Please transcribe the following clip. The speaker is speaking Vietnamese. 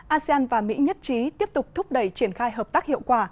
asean và mỹ nhất trí tiếp tục thúc đẩy triển khai hợp tác hiệu quả